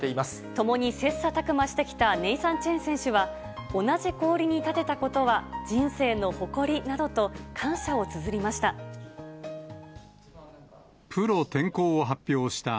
共に切さたく磨してきたネイサン・チェン選手は、同じ氷に立てたことは、人生の誇りなどと、感謝をつづりました。